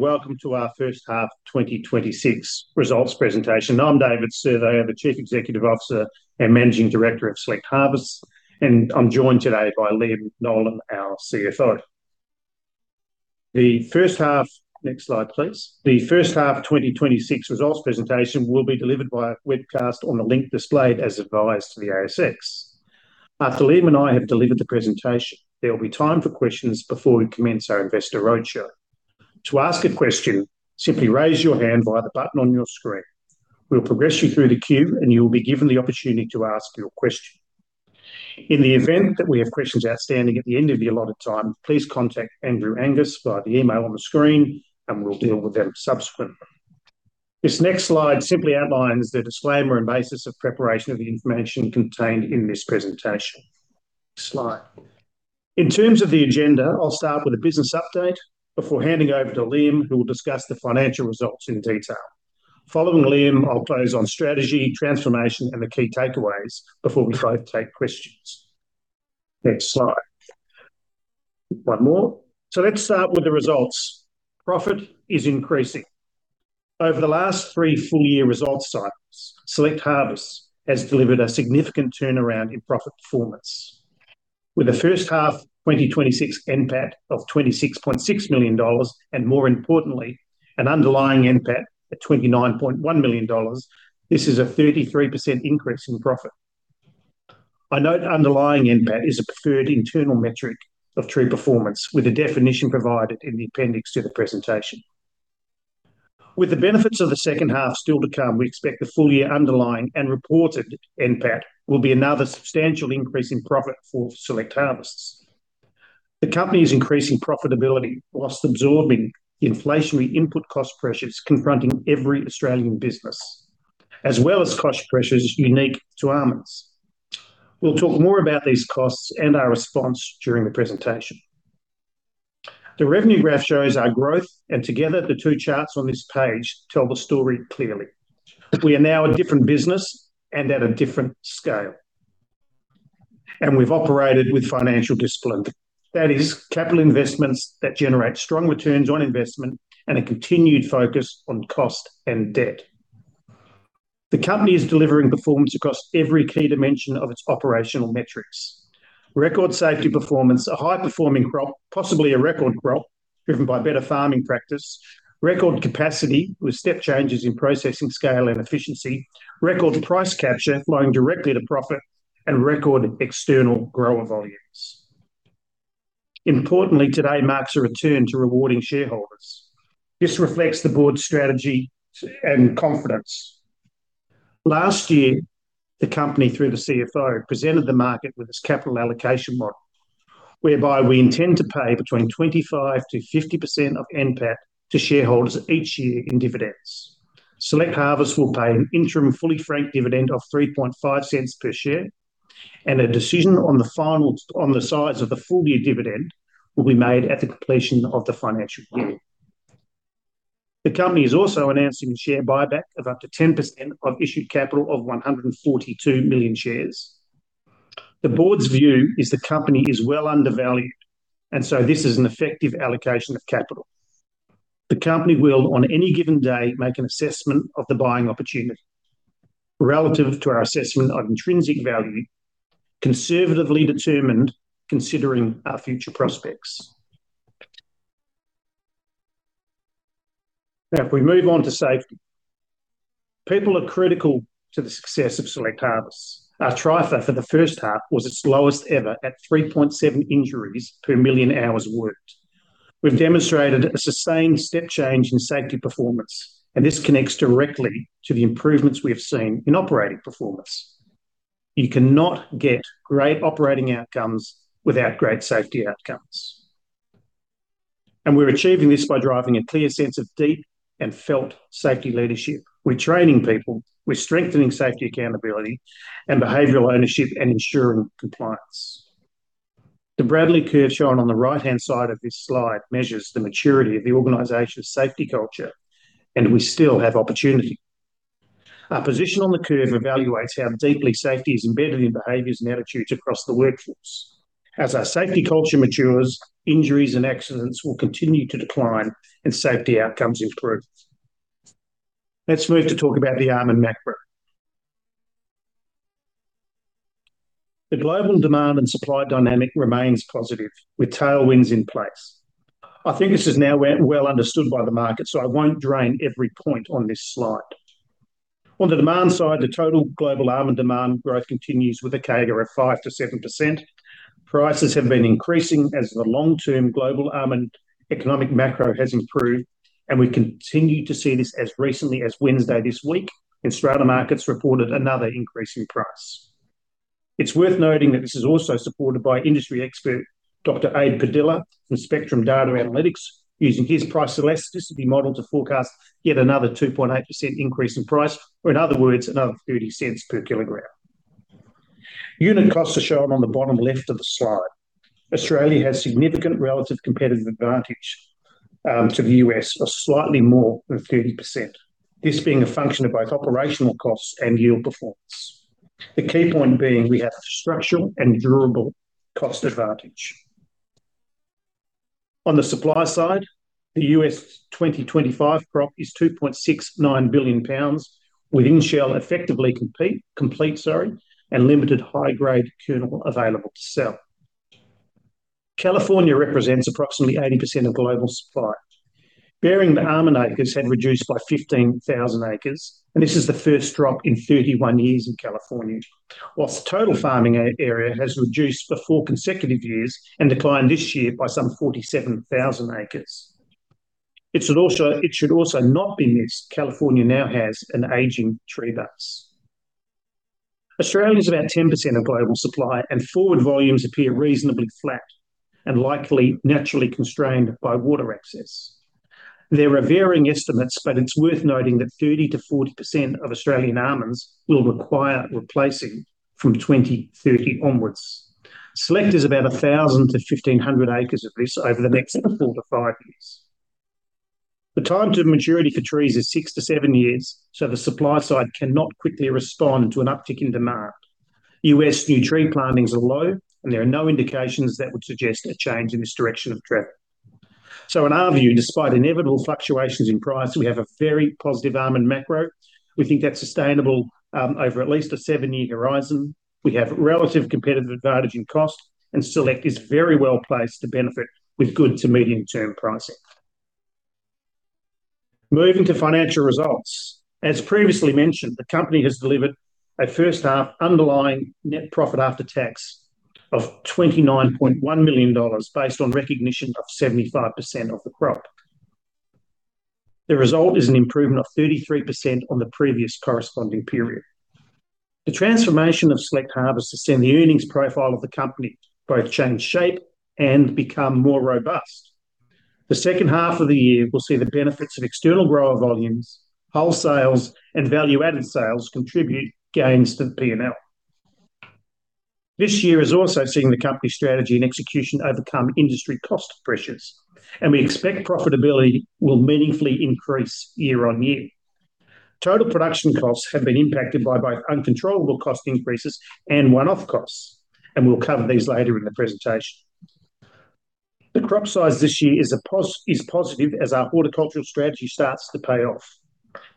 Welcome to our first half 2026 results presentation. I'm David Surveyor, the Chief Executive Officer and Managing Director of Select Harvests, I'm joined today by Liam Nolan, our CFO. The first half, next slide, please. The first half 2026 results presentation will be delivered by a webcast on the link displayed as advised to the ASX. After Liam and I have delivered the presentation, there will be time for questions before we commence our investor roadshow. To ask a question, simply raise your hand via the button on your screen. We'll progress you through the queue, you'll be given the opportunity to ask your question. In the event that we have questions outstanding at the end of the allotted time, please contact Andrew Angus via the email on the screen, we'll deal with them subsequently. This next slide simply outlines the disclaimer and basis of preparation of the information contained in this presentation. Slide. In terms of the agenda, I'll start with a business update before handing over to Liam, who will discuss the financial results in detail. Following Liam, I'll close on strategy, transformation, and the key takeaways before we both take questions. Next slide. One more. Let's start with the results. Profit is increasing. Over the last three full year results cycles, Select Harvests has delivered a significant turnaround in profit performance. With a first half 2026 NPAT of 26.6 million dollars and more importantly, an underlying NPAT at 29.1 million dollars, this is a 33% increase in profit. I note underlying NPAT is a preferred internal metric of true performance with a definition provided in the appendix to the presentation. With the benefits of the second half still to come, we expect the full year underlying and reported NPAT will be another substantial increase in profit for Select Harvests. The company is increasing profitability while absorbing the inflationary input cost pressures confronting every Australian business, as well as cost pressures unique to almonds. We'll talk more about these costs and our response during the presentation. The revenue graph shows our growth, and together the two charts on this page tell the story clearly, that we are now a different business and at a different scale. We've operated with financial discipline. That is capital investments that generate strong returns on investment and a continued focus on cost and debt. The company is delivering performance across every key dimension of its operational metrics. Record safety performance, a high performing crop, possibly a record crop driven by better farming practice, record capacity with step changes in processing scale and efficiency. Record price capture flowing directly to profit, and record external grower volumes. Importantly, today marks a return to rewarding shareholders. This reflects the Board's strategy and confidence. Last year, the company, through the CFO, presented the market with its capital allocation model, whereby we intend to pay between 25%-50% of NPAT to shareholders each year in dividends. Select Harvests will pay an interim fully franked dividend of 0.035 per share, and a decision on the size of the full-year dividend will be made at the completion of the financial year. The company is also announcing a share buyback of up to 10% of issued capital of 142 million shares. The Board's view is the company is well undervalued, and so this is an effective allocation of capital. The company will, on any given day, make an assessment of the buying opportunity relative to our assessment of intrinsic value, conservatively determined considering our future prospects. Now, if we move on to safety. People are critical to the success of Select Harvests. Our TRIFR for the first half was its lowest ever at 3.7 injuries per million hours worked. We've demonstrated a sustained step change in safety performance, and this connects directly to the improvements we have seen in operating performance. You cannot get great operating outcomes without great safety outcomes. We're achieving this by driving a clear sense of deep and felt safety leadership. We're training people, we're strengthening safety accountability and behavioral ownership, and ensuring compliance. The Bradley Curve shown on the right-hand side of this slide measures the maturity of the organization's safety culture, we still have opportunity. Our position on the curve evaluates how deeply safety is embedded in behaviors and attitudes across the workforce. As our safety culture matures, injuries and accidents will continue to decline and safety outcomes improve. Let's move to talk about the almond macro. The global demand and supply dynamic remains positive with tailwinds in place. I think this is now well understood by the market, I won't drain every point on this slide. On the demand side, the total global almond demand growth continues with a CAGR of 5%-7%. Prices have been increasing as the long-term global almond economic macro has improved. We continue to see this as recently as Wednesday this week when Stratamarkets reported another increase in price. It's worth noting that this is also supported by industry expert Dr. Abe Padilla from Spectrum Data Analytics using his price elasticity model to forecast yet another 2.8% increase in price, or in other words, another 0.30/kg. Unit costs are shown on the bottom left of the slide. Australia has significant relative competitive advantage to the U.S. of slightly more than 30%, this being a function of both operational costs and yield performance. The key point being we have structural and durable cost advantage. On the supply side, the U.S. 2025 crop is 2.69 billion lbs with in-shell effectively complete, and limited high-grade kernel available to sell. California represents approximately 80% of global supply. Bearing the almond acres had reduced by 15,000 acres, and this is the first drop in 31 years in California. Whilst the total farming area has reduced for four consecutive years and declined this year by some 47,000 acres. It should also not be missed, California now has an aging tree base. Australia's about 10% of global supply and forward volumes appear reasonably flat and likely naturally constrained by water access. There are varying estimates, it's worth noting that 30%-40% of Australian almonds will require replacing from 2030 onwards. Select is about 1,000 acres-1,500 acres of this over the next four to five years. The time to maturity for trees is six to seven years, the supply side cannot quickly respond to an uptick in demand. U.S. new tree plantings are low, there are no indications that would suggest a change in this direction of trend. In our view, despite inevitable fluctuations in price, we have a very positive almond macro. We think that's sustainable over at least a seven-year horizon. We have relative competitive advantage in cost. Select is very well-placed to benefit with good to medium-term pricing. Moving to financial results. As previously mentioned, the company has delivered a first half underlying net profit after tax of 29.1 million dollars, based on recognition of 75% of the crop. The result is an improvement of 33% on the previous corresponding period. The transformation of Select Harvests has seen the earnings profile of the company both change shape and become more robust. The second half of the year will see the benefits of external grower volumes, wholesales, and value-added sales contribute gains to the P&L. This year is also seeing the company strategy and execution overcome industry cost pressures. We expect profitability will meaningfully increase year-on-year. Total production costs have been impacted by both uncontrollable cost increases and one-off costs. We'll cover these later in the presentation. The crop size this year is positive as our horticultural strategy starts to pay off.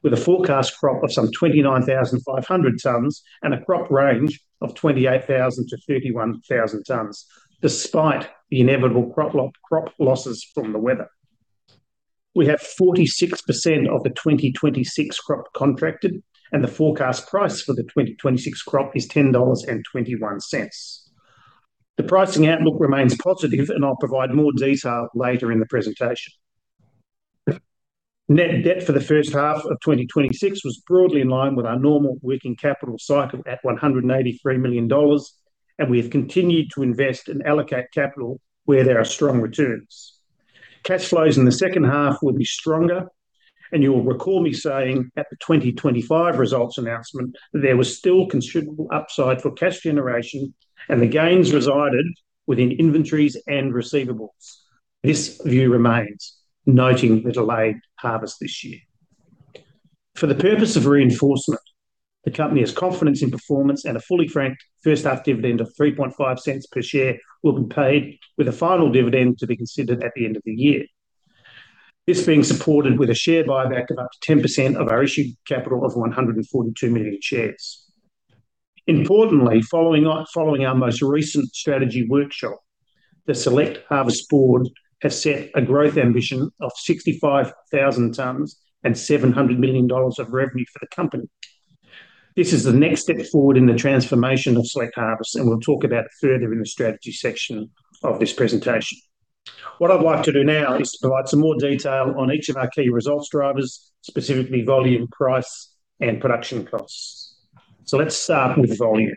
With a forecast crop of some 29,500 tons and a crop range of 28,000 tons-31,000 tons, despite the inevitable crop losses from the weather. We have 46% of the 2026 crop contracted. The forecast price for the 2026 crop is 10.21 dollars. The pricing outlook remains positive. I'll provide more detail later in the presentation. Net debt for the first half of 2026 was broadly in line with our normal working capital cycle at 183 million dollars. We have continued to invest and allocate capital where there are strong returns. Cash flows in the second half will be stronger, and you will recall me saying at the 2025 results announcement that there was still considerable upside for cash generation, and the gains resided within inventories and receivables. This view remains, noting the delayed harvest this year. For the purpose of reinforcement, the company has confidence in performance and a fully franked first half dividend of 0.035 per share will be paid with a final dividend to be considered at the end of the year. This being supported with a share buyback of up to 10% of our issued capital of 142 million shares. Importantly, following our most recent strategy workshop, the Select Harvests Board has set a growth ambition of 65,000 tons and 700 million dollars of revenue for the company. This is the next step forward in the transformation of Select Harvests, and we'll talk about it further in the strategy section of this presentation. What I'd like to do now is provide some more detail on each of our key results drivers, specifically volume, price, and production costs. Let's start with volume.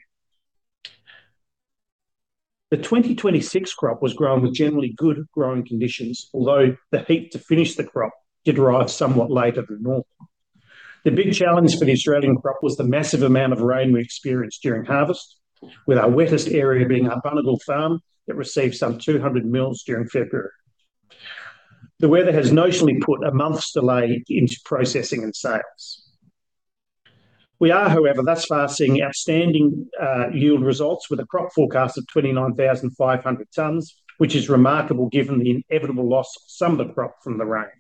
The 2026 crop was grown with generally good growing conditions, although the heat to finish the crop did arrive somewhat later than normal. The big challenge for the Australian crop was the massive amount of rain we experienced during harvest, with our wettest area being our Bunnaloo Farm that received some 200 mils during February. The weather has notionally put a month's delay into processing and sales. We are, however, thus far seeing outstanding yield results with a crop forecast of 29,500 tons, which is remarkable given the inevitable loss of some of the crop from the rain.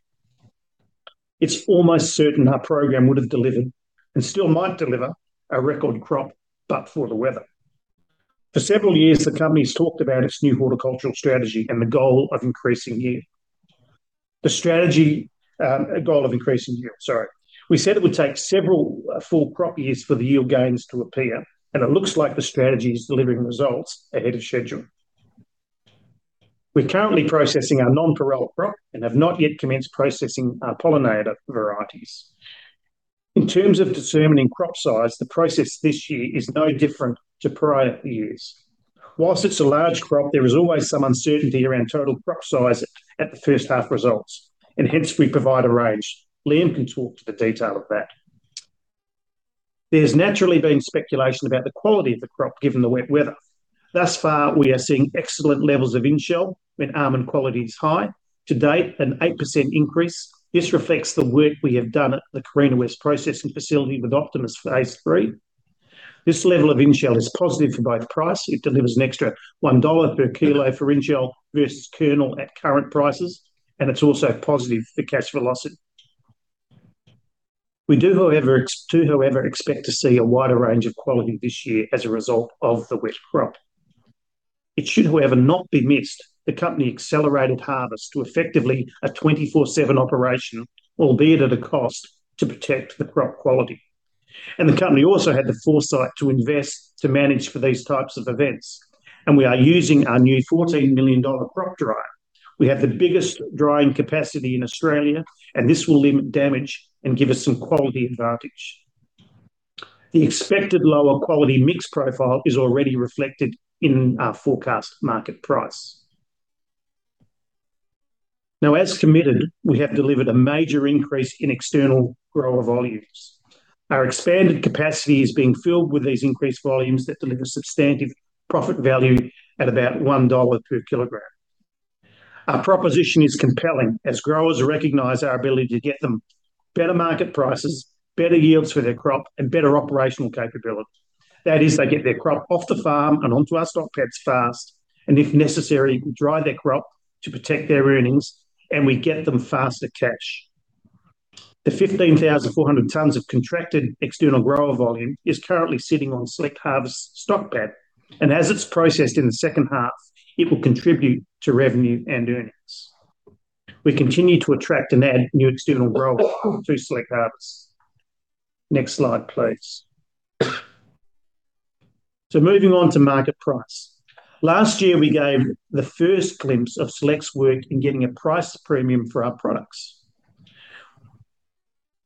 It's almost certain our program would have delivered, and still might deliver, a record crop but for the weather. For several years, the company's talked about its new horticultural strategy and the goal of increasing yield. The strategy, goal of increasing yield, sorry. It looks like the strategy is delivering results ahead of schedule. We're currently processing our Nonpareil crop and have not yet commenced processing our pollinator varieties. In terms of determining crop size, the process this year is no different to prior years. Whilst it's a large crop, there is always some uncertainty around total crop size at the first half results, and hence we provide a range. Liam can talk to the detail of that. There's naturally been speculation about the quality of the crop given the wet weather. Thus far, we are seeing excellent levels of in-shell and almond quality is high. To date, an 8% increase. This reflects the work we have done at the Carina West Processing Facility with Optimus Phase 3. This level of in-shell is positive for both price, it delivers an extra 1 dollar/kg for in-shell versus kernel at current prices, and it's also positive for cash velocity. We do, however, expect to see a wider range of quality this year as a result of the wet crop. It should, however, not be missed, the company accelerated harvest to effectively a 24/7 operation, albeit at a cost, to protect the crop quality. The company also had the foresight to invest to manage for these types of events. We are using our new 14 million dollar crop dryer. We have the biggest drying capacity in Australia, and this will limit damage and give us some quality advantage. The expected lower quality mix profile is already reflected in our forecast market price. Now as committed, we have delivered a major increase in external grower volumes. Our expanded capacity is being filled with these increased volumes that deliver substantive profit value at about 1 dollar/kg. Our proposition is compelling as growers recognize our ability to get them better market prices, better yields for their crop, and better operational capability. That is, they get their crop off the farm and onto our Stock Pads fast, and if necessary, we dry their crop to protect their earnings and we get them faster cash. The 15,400 tons of contracted external grower volume is currently sitting on Select Harvests' Stock Pad, and as it's processed in the second half, it will contribute to revenue and earnings. We continue to attract and add new external growers to Select Harvests. Next slide, please. Moving on to market price. Last year, we gave the first glimpse of Select's work in getting a price premium for our products.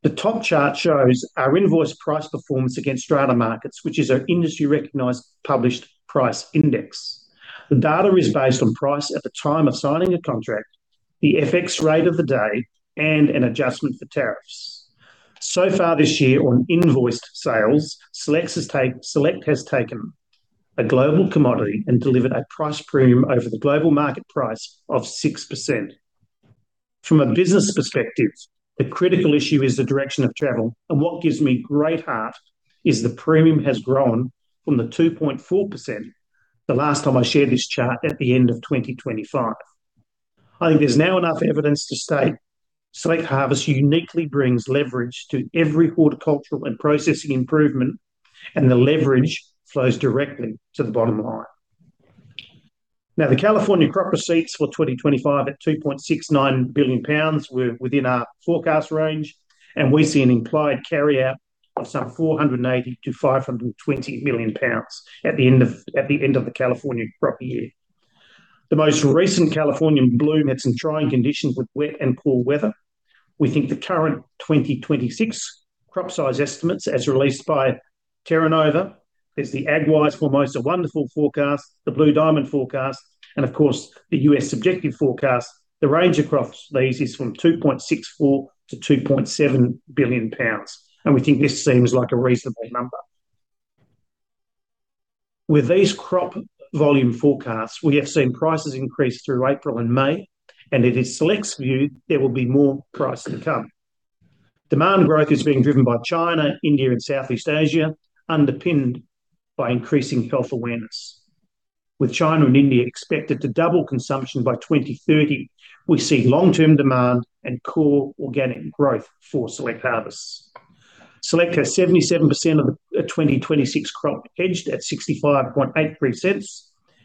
The top chart shows our invoice price performance against Stratamarkets, which is our industry recognized published price index. The data is based on price at the time of signing a contract, the FX rate of the day, and an adjustment for tariffs. Far this year on invoiced sales, Select has taken a global commodity and delivered a price premium over the global market price of 6%. From a business perspective, the critical issue is the direction of travel, and what gives me great heart is the premium has grown from the 2.4% the last time I shared this chart at the end of 2025. I think there's now enough evidence to state Select Harvests uniquely brings leverage to every horticultural and processing improvement, and the leverage flows directly to the bottom line. The California crop receipts for 2025 at 2.69 billion lbs were within our forecast range, and we see an implied carryout of some 480 million-520 million lbs at the end of the California crop year. The most recent California bloom had some trying conditions with wet and cool weather. We think the current 2026 crop size estimates as released by Terra Nova Trading, there's the AgWise/Famoso Wonderful forecast, the Blue Diamond forecast, and of course, the U.S. Subjective Forecast. The range across these is from 2.64 billion-2.7 billion lbs. We think this seems like a reasonable number. With these crop volume forecasts, we have seen prices increase through April and May. It is Select's view there will be more price to come. Demand growth is being driven by China, India, and Southeast Asia, underpinned by increasing health awareness. With China and India expected to double consumption by 2030, we see long-term demand and core organic growth for Select Harvests. Select has 77% of the 2026 crop hedged at 0.6583.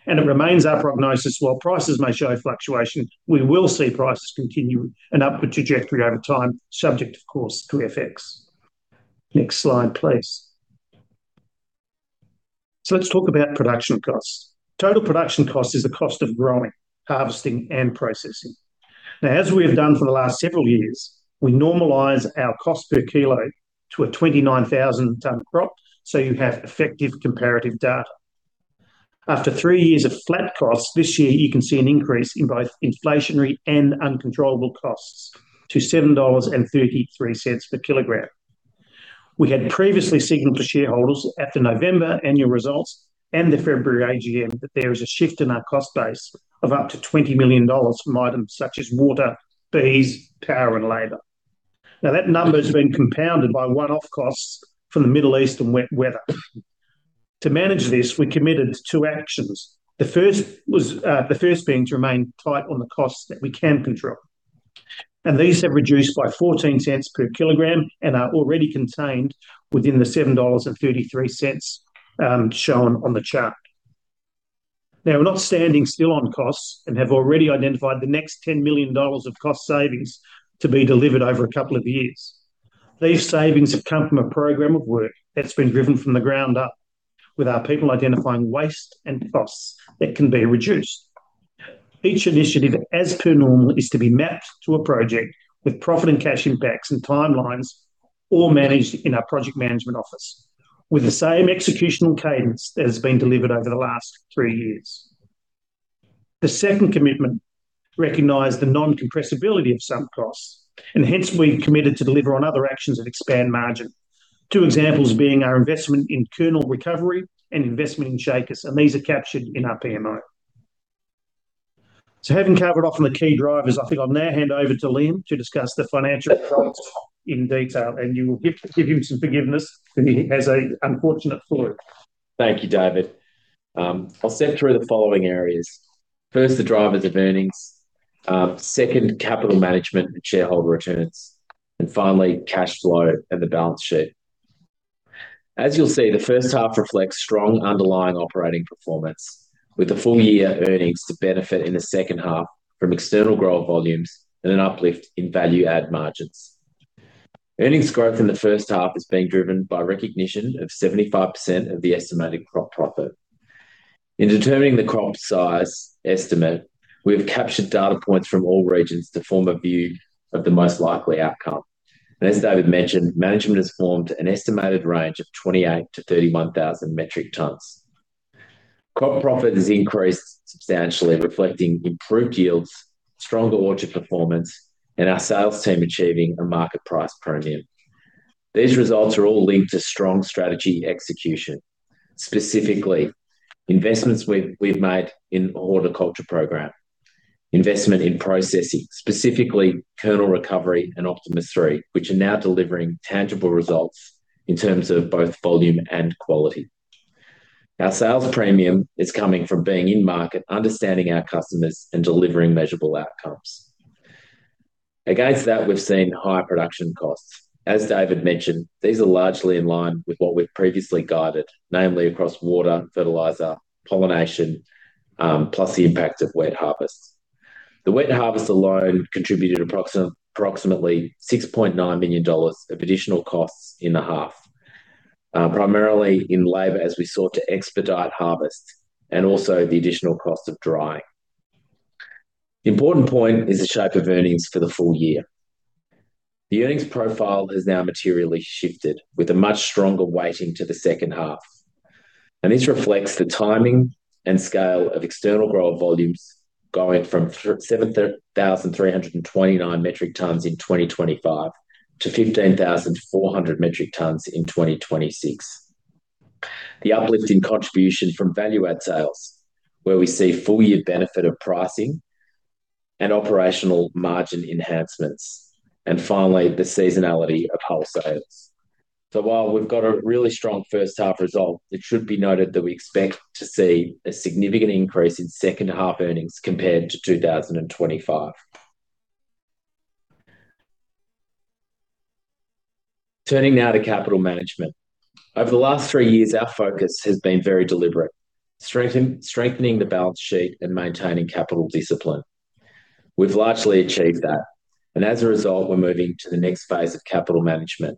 It remains our prognosis while prices may show fluctuation, we will see prices continue an upward trajectory over time, subject of course to FX. Next slide, please. Let's talk about production costs. Total production cost is the cost of growing, harvesting, and processing. As we have done for the last several years, we normalize our cost per kilo to a 29,000 tonne crop, so you have effective comparative data. After three years of flat costs, this year you can see an increase in both inflationary and uncontrollable costs to 7.33 dollars/kg. We had previously signaled to shareholders at the November annual results and the February AGM that there is a shift in our cost base of up to 20 million dollars from items such as water, bees, power, and labor. That number has been compounded by one-off costs from the Middle East and wet weather. To manage this, we committed two actions. The first being to remain tight on the costs that we can control. These have reduced by 0.14/kg and are already contained within the 7.33 dollars shown on the chart. Now we're not standing still on costs and have already identified the next 10 million dollars of cost savings to be delivered over a couple of years. These savings have come from a program of work that's been driven from the ground up with our people identifying waste and costs that can be reduced. Each initiative, as per normal, is to be mapped to a project with profit and cash impacts and timelines all managed in our project management office with the same executional cadence that has been delivered over the last three years. The second commitment recognized the non-compressibility of some costs, and hence we committed to deliver on other actions that expand margin. Two examples being our investment in kernel recovery and investment in shakers, and these are captured in our PMO. Having covered off on the key drivers, I think I'll now hand over to Liam to discuss the financial results in detail, and you will give him some forgiveness if he has an unfortunate flu. Thank you, David. I'll step through the following areas. First, the drivers of earnings. Second, capital management and shareholder returns. Finally, cash flow and the balance sheet. As you'll see, the first half reflects strong underlying operating performance, with the full year earnings to benefit in the second half from external grower volumes and an uplift in value add margins. Earnings growth in the first half is being driven by recognition of 75% of the estimated crop profit. In determining the crop size estimate. We have captured data points from all regions to form a view of the most likely outcome. As David mentioned, management has formed an estimated range of 28,000-31,000 metric tons. Crop profit has increased substantially, reflecting improved yields, stronger orchard performance and our sales team achieving a market price premium. These results are all linked to strong strategy execution, specifically investments we've made in the horticulture program, investment in processing, specifically kernel recovery and Optimus 3, which are now delivering tangible results in terms of both volume and quality. Our sales premium is coming from being in market, understanding our customers and delivering measurable outcomes. Against that, we've seen higher production costs. As David mentioned, these are largely in line with what we've previously guided, namely across water, fertilizer, pollination, plus the impact of wet harvests. The wet harvest alone contributed approximately 6.9 million dollars of additional costs in the half, primarily in labor as we sought to expedite harvest, and also the additional cost of drying. The important point is the shape of earnings for the full year. The earnings profile has now materially shifted with a much stronger weighting to the second half, and this reflects the timing and scale of external grower volumes going from 7,329 metric tons in 2025 to 15,400 metric tons in 2026. The uplift in contribution from value add sales, where we see full year benefit of pricing and operational margin enhancements. Finally, the seasonality of wholesale. While we've got a really strong first half result, it should be noted that we expect to see a significant increase in second half earnings compared to 2025. Turning now to capital management. Over the last three years, our focus has been very deliberate, strengthening the balance sheet and maintaining capital discipline. We've largely achieved that, and as a result, we're moving to the next phase of capital management,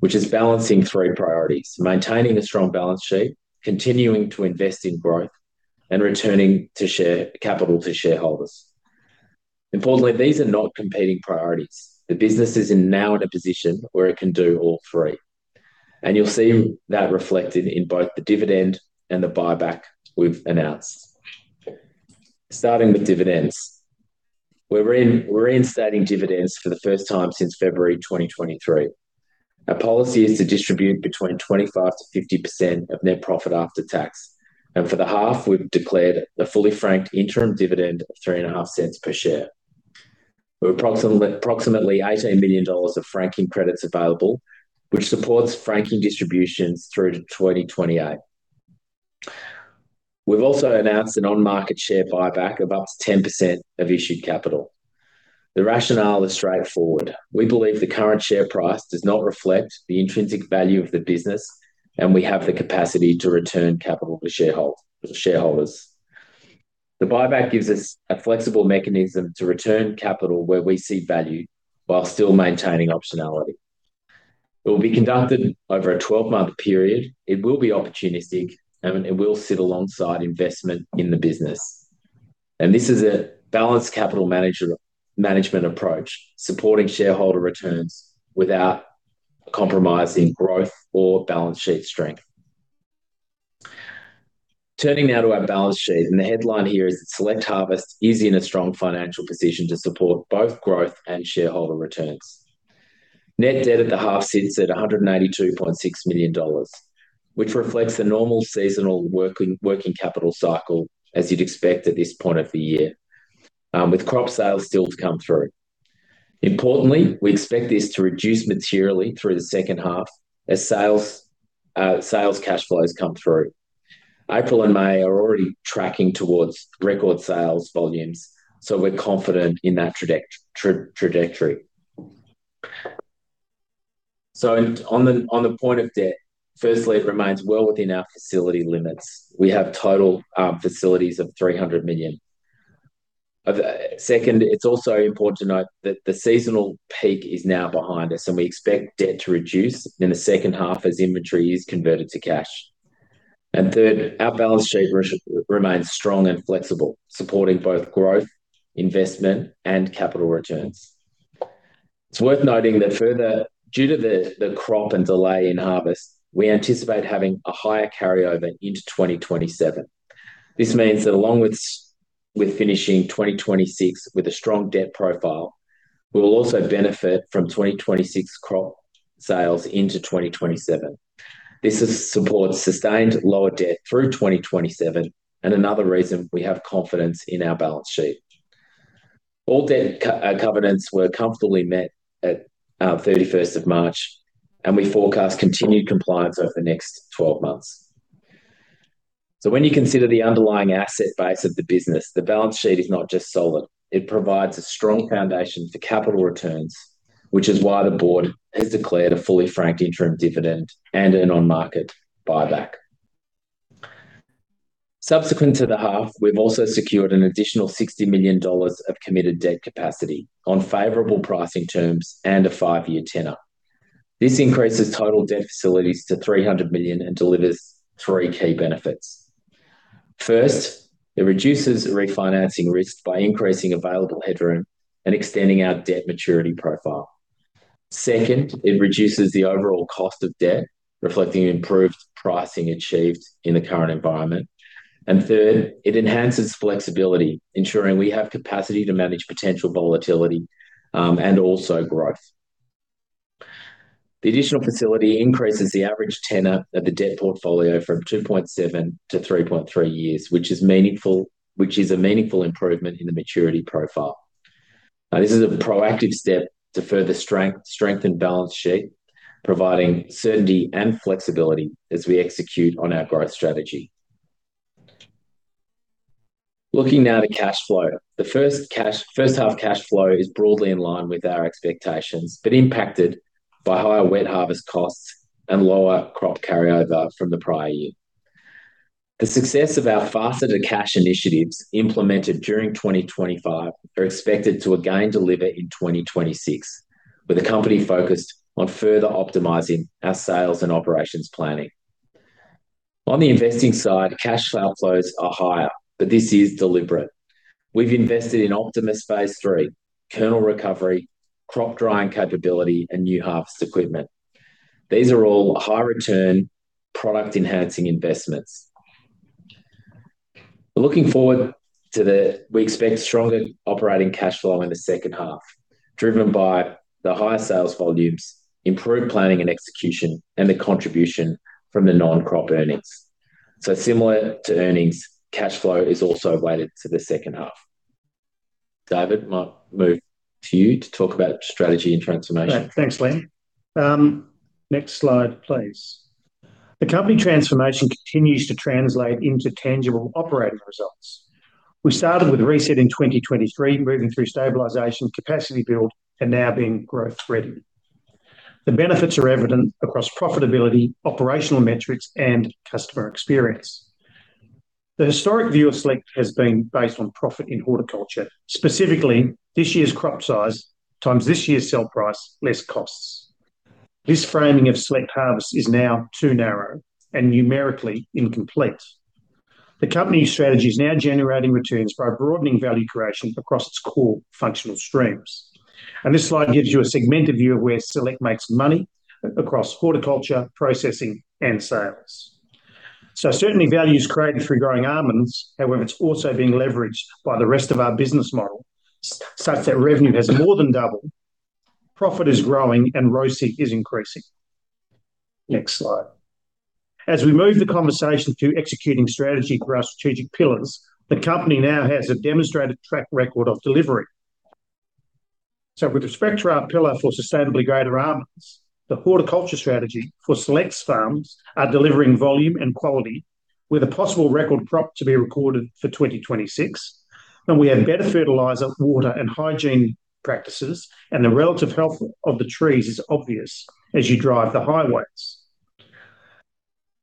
which is balancing three priorities, maintaining a strong balance sheet, continuing to invest in growth, and returning capital to shareholders. Importantly, these are not competing priorities. The business is now in a position where it can do all three, and you'll see that reflected in both the dividend and the buyback we've announced. Starting with dividends, we're reinstating dividends for the first time since February 2023. Our policy is to distribute between 25%-50% of net profit after tax. For the half, we've declared a fully franked interim dividend of 0.035/share. We've approximately 18 million dollars of franking credits available, which supports franking distributions through to 2028. We've also announced an on-market share buyback of up to 10% of issued capital. The rationale is straightforward. We believe the current share price does not reflect the intrinsic value of the business, and we have the capacity to return capital to shareholders. The buyback gives us a flexible mechanism to return capital where we see value while still maintaining optionality. It will be conducted over a 12-month period. It will be opportunistic, and it will sit alongside investment in the business. This is a balanced capital management approach, supporting shareholder returns without compromising growth or balance sheet strength. Turning now to our balance sheet, and the headline here is that Select Harvests is in a strong financial position to support both growth and shareholder returns. Net debt at the half sits at 182.6 million dollars, which reflects the normal seasonal working capital cycle as you'd expect at this point of the year, with crop sales still to come through. Importantly, we expect this to reduce materially through the second half as sales cash flows come through. April and May are already tracking towards record sales volumes. We're confident in that trajectory. On the point of debt, firstly, it remains well within our facility limits. We have total facilities of 300 million. Second, it's also important to note that the seasonal peak is now behind us, and we expect debt to reduce in the second half as inventory is converted to cash. Third, our balance sheet remains strong and flexible, supporting both growth, investment and capital returns. It's worth noting that further, due to the crop and delay in harvest, we anticipate having a higher carryover into 2027. This means that along with. We're finishing 2026 with a strong debt profile. We will also benefit from 2026 crop sales into 2027. This will support sustained lower debt through 2027, and another reason we have confidence in our balance sheet. All debt covenants were comfortably met at 31st of March, and we forecast continued compliance over the next 12 months. When you consider the underlying asset base of the business, the balance sheet is not just solid, it provides a strong foundation for capital returns, which is why the Board has declared a fully franked interim dividend and an on-market buyback. Subsequent to the half, we've also secured an additional 60 million dollars of committed debt capacity on favorable pricing terms and a five-year tenor. This increases total debt facilities to 300 million and delivers three key benefits. First, it reduces refinancing risk by increasing available headroom and extending our debt maturity profile. Second, it reduces the overall cost of debt, reflecting improved pricing achieved in the current environment. Third, it enhances flexibility, ensuring we have capacity to manage potential volatility, and also growth. The additional facility increases the average tenor of the debt portfolio from 2.7 years-3.3 years, which is a meaningful improvement in the maturity profile. This is a proactive step to further strengthen balance sheet, providing certainty and flexibility as we execute on our growth strategy. Looking now to cash flow. The first half cash flow is broadly in line with our expectations, but impacted by higher wet harvest costs and lower crop carryover from the prior year. The success of our faster to cash initiatives implemented during 2025 are expected to again deliver in 2026, with the company focused on further optimizing our sales and operations planning. On the investing side, cash flows are higher, but this is deliberate. We've invested in Optimus Phase 3, kernel recovery, crop drying capability, and new harvest equipment. These are all high return product enhancing investments. We expect stronger operating cash flow in the second half, driven by the higher sales volumes, improved planning and execution, and the contribution from the non-crop earnings. Similar to earnings, cash flow is also weighted to the second half. David, might move to you to talk about strategy and transformation. Great. Thanks, Liam. Next slide, please. The company transformation continues to translate into tangible operating results. We started with reset in 2023, moving through stabilization, capacity build, and now being growth-ready. The benefits are evident across profitability, operational metrics, and customer experience. The historic view of Select has been based on profit in horticulture, specifically this year's crop size times this year's sell price less costs. This framing of Select Harvests is now too narrow and numerically incomplete. The company's strategy is now generating returns by broadening value creation across its core functional streams. This slide gives you a segmented view of where Select makes money across horticulture, processing, and sales. Certainly value is created through growing almonds, however, it's also being leveraged by the rest of our business model such that revenue has more than doubled, profit is growing, and ROCE is increasing. Next slide. As we move the conversation to executing strategy for our strategic pillars, the company now has a demonstrated track record of delivery. With respect to our pillar for sustainably greater almonds, the horticulture strategy for Select's farms are delivering volume and quality with a possible record crop to be recorded for 2026. We have better fertilizer, water, and hygiene practices, and the relative health of the trees is obvious as you drive the highways.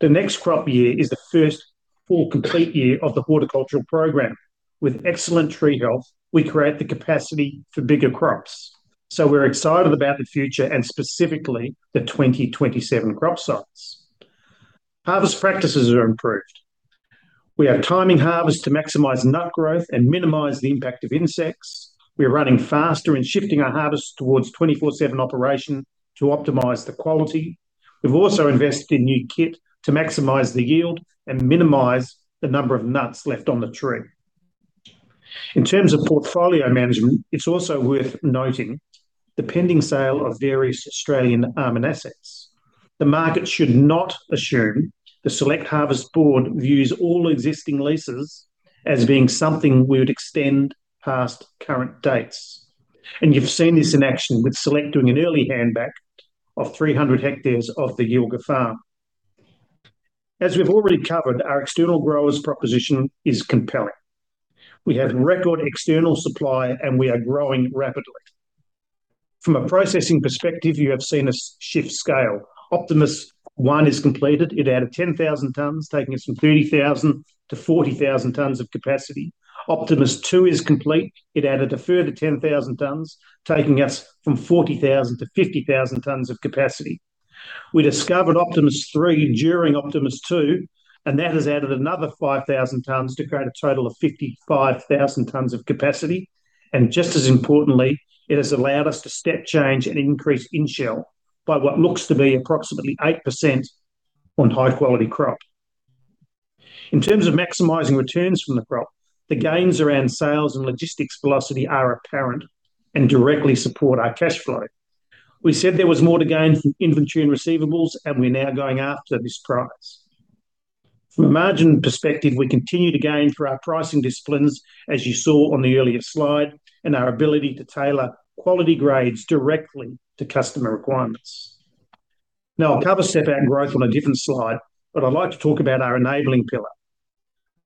The next crop year is the first full complete year of the horticultural program. With excellent tree health, we create the capacity for bigger crops. We're excited about the future and specifically the 2027 crop size. Harvest practices are improved. We are timing harvest to maximize nut growth and minimize the impact of insects. We are running faster and shifting our harvest towards 24/7 operation to optimize the quality. We've also invested in new kit to maximize the yield and minimize the number of nuts left on the tree. In terms of portfolio management, it's also worth noting the pending sale of various Australian almond assets. The market should not assume the Select Harvests Board views all existing leases as being something we would extend past current dates. You've seen this in action with Select doing an early hand back of 300 hectares of the Yilgah farm. As we've already covered, our external growers' proposition is compelling. We have record external supply, and we are growing rapidly. From a processing perspective, you have seen us shift scale. Optimus 1 is completed. It added 10,000 tons, taking us from 30,000 tons-40,000 tons of capacity. Optimus 2 is complete. It added a further 10,000 tons, taking us from 40,000 tons-50,000 tons of capacity. We discovered Optimus 3 during Optimus 2, that has added another 5,000 tons to create a total of 55,000 tons of capacity. Just as importantly, it has allowed us to step change and increase in-shell by what looks to be approximately 8% on high-quality crop. In terms of maximizing returns from the crop, the gains around sales and logistics velocity are apparent and directly support our cash flow. We said there was more to gain from inventory and receivables, we're now going after this prize. From a margin perspective, we continue to gain through our pricing disciplines, as you saw on the earlier slide, our ability to tailor quality grades directly to customer requirements. I'll cover step out growth on a different slide, I'd like to talk about our enabling pillar.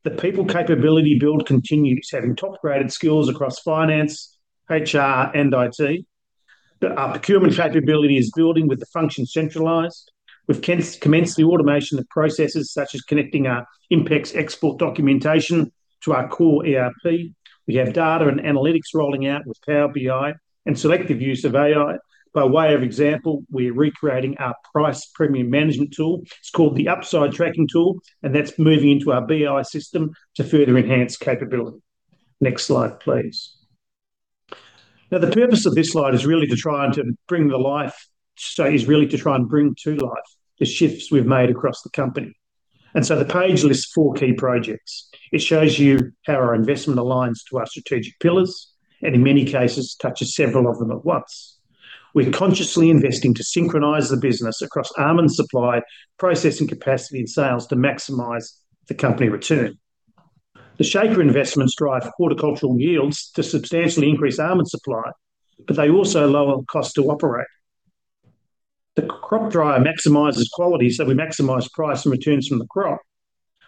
The people capability build continues, having top-graded skills across finance, HR, and IT. That our procurement capability is building with the function centralized. We've commenced the automation of processes, such as connecting our ImpexDocs export documentation to our core ERP. We have data and analytics rolling out with Power BI and selective use of AI. By way of example, we're recreating our price premium management tool. It's called the upside tracking tool, and that's moving into our BI system to further enhance capability. Next slide, please. Now, the purpose of this slide is really to try and bring to life the shifts we've made across the company. The page lists four key projects. It shows you how our investment aligns to our strategic pillars, and in many cases, touches several of them at once. We're consciously investing to synchronize the business across almond supply, processing capacity, and sales to maximize the company return. The shaker investments drive horticultural yields to substantially increase almond supply, but they also lower cost to operate. The crop dryer maximizes quality, so we maximize price and returns from the crop.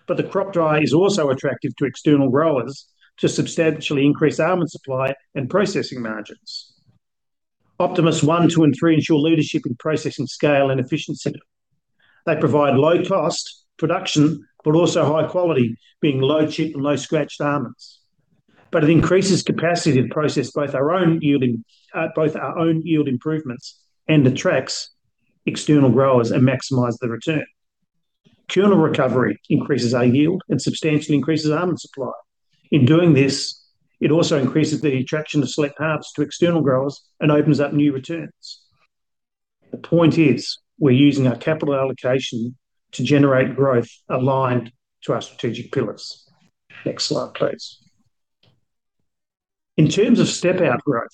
The crop dryer is also attractive to external growers to substantially increase almond supply and processing margins. Optimus I, II, and III ensure leadership in processing scale and efficiency. They provide low-cost production, but also high quality, being low chip and low scratch almonds. It increases capacity to process both our own yield improvements and attracts external growers and maximize the return. Kernel recovery increases our yield and substantially increases almond supply. In doing this, it also increases the attraction of Select Harvests to external growers and opens up new returns. The point is, we're using our capital allocation to generate growth aligned to our strategic pillars. Next slide, please. In terms of step-out growth,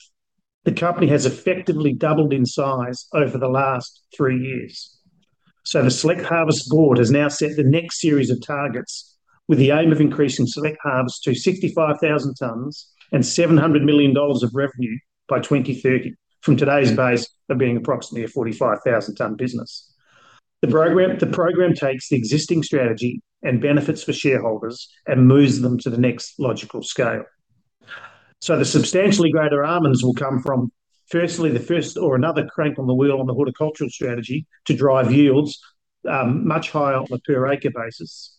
the company has effectively doubled in size over the last three years. The Select Harvests Board has now set the next series of targets with the aim of increasing Select Harvests to 65,000 tons and 700 million dollars of revenue by 2030 from today's base of being approximately a 45,000-ton business. The program takes the existing strategy and benefits for shareholders and moves them to the next logical scale. The substantially greater almonds will come from, firstly, the first or another crank on the wheel on the horticultural strategy to drive yields much higher on a per acre basis.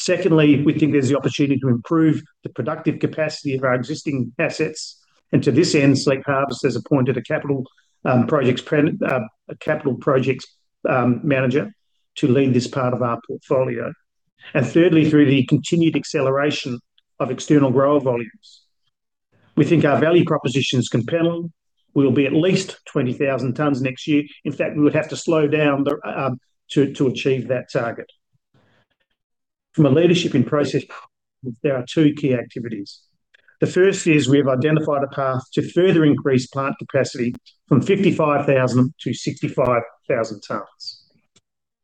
Secondly, we think there's the opportunity to improve the productive capacity of our existing assets. To this end, Select Harvests has appointed a capital projects manager to lead this part of our portfolio. Thirdly, through the continued acceleration of external grower volumes. We think our value proposition is compelling. We will be at least 20,000 tons next year. In fact, we would have to slow down to achieve that target. From a leadership in processing, there are two key activities. The first is we have identified a path to further increase plant capacity from 55,000 tons-65,000 tons.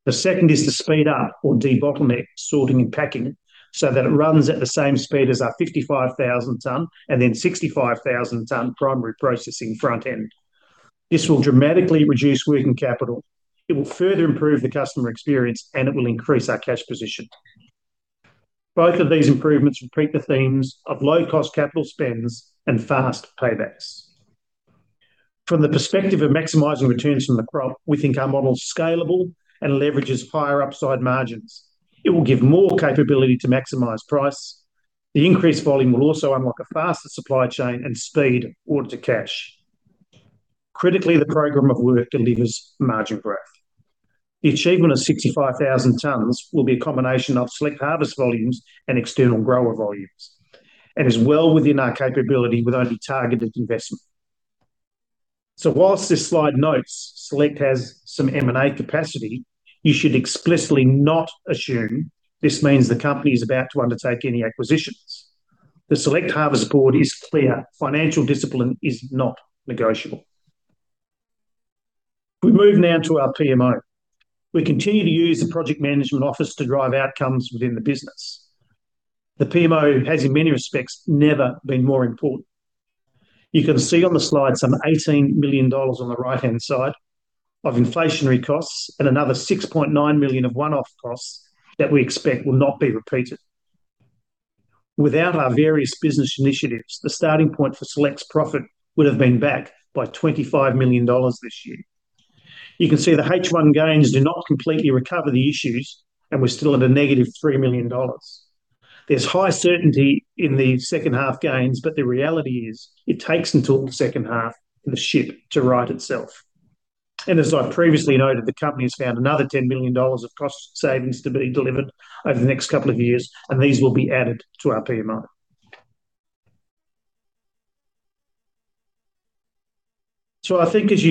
The second is to speed up or debottleneck sorting and packing so that it runs at the same speed as our 55,000 ton and then 65,000-ton primary processing front end. This will dramatically reduce working capital. It will further improve the customer experience, and it will increase our cash position. Both of these improvements repeat the themes of low-cost capital spends and fast paybacks. From the perspective of maximizing returns from the crop, we think our model's scalable and leverages higher upside margins. It will give more capability to maximize price. The increased volume will also unlock a faster supply chain and speed order to cash. Critically, the program of work delivers margin growth. The achievement of 65,000 tons will be a combination of Select Harvests volumes and external grower volumes and is well within our capability with only targeted investment. Whilst this slide notes Select has some M&A capacity, you should explicitly not assume this means the company is about to undertake any acquisitions. The Select Harvests Board is clear. Financial discipline is not negotiable. We move now to our PMO. We continue to use the project management office to drive outcomes within the business. The PMO has, in many respects, never been more important. You can see on the slide some 18 million dollars on the right-hand side of inflationary costs and another 6.9 million of one-off costs that we expect will not be repeated. Without our various business initiatives, the starting point for Select's profit would have been back by 25 million dollars this year. You can see the H1 gains do not completely recover the issues, and we're still at a -3 million dollars. There's high certainty in the second half gains, the reality is it takes until the second half for the ship to right itself. As I previously noted, the company has found another 10 million dollars of cost savings to be delivered over the next couple of years, and these will be added to our PMO. I think as